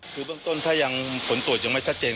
คือเบื้องต้นถ้ายังผลตรวจยังไม่ชัดเจน